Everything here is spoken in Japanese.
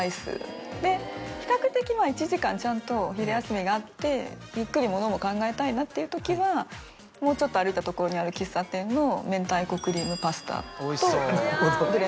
比較的１時間ちゃんと昼休みがあってゆっくりものも考えたいなっていうときはもうちょっと歩いた所にある喫茶店の。